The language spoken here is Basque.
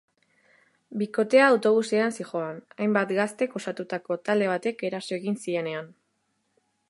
Bikotea autobusean zihoan, hainbat gaztek osatutako talde batek eraso egin zienean.